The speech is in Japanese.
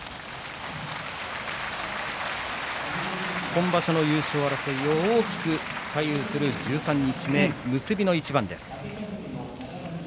今場所の優勝争いを大きく左右する十三日目、結びの一番です。